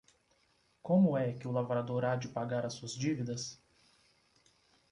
Como é que o lavrador há de pagar as suas dívidas?